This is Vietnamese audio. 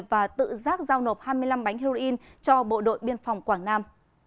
và tự giác giao nộp hai mươi năm bánh heroin cho bộ đội biên phòng quảng nam